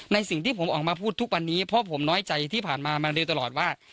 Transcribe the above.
สิ่งที่ผมออกมาพูดทุกวันนี้เพราะผมน้อยใจที่ผ่านมามาโดยตลอดว่า